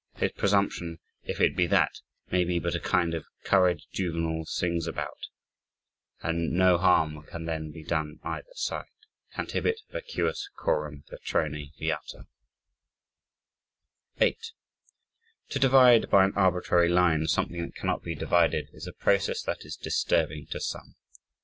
His presumption, if it be that, may be but a kind of courage juvenal sings about, and no harm can then be done either side. "Cantabit vacuus coram latrone viator." 8 To divide by an arbitrary line something that cannot be divided is a process that is disturbing to some.